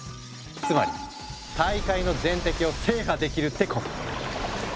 つまり大海の全滴を制覇できるってこと。